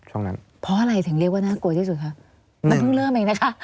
ช่วงนั้นเพราะอะไรถึงเรียกว่าน่ากลัวที่สุดคะมันเพิ่งเริ่มเองนะคะ